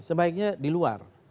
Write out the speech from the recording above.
sebaiknya di luar